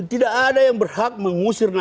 tidak ada yang berhak mengusir